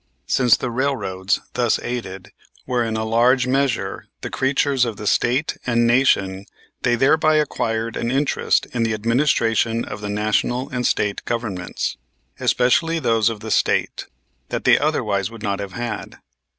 Since the railroads, thus aided, were in a large measure the creatures of the State and Nation they thereby acquired an interest in the administration of the National and State Governments, especially those of the State, that they otherwise would not have had.